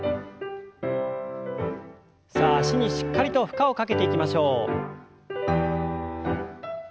さあ脚にしっかりと負荷をかけていきましょう。